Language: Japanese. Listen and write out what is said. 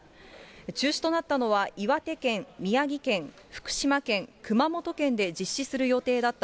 中止となったのは岩手県、宮城県、福島県、熊本県で実施する予定だった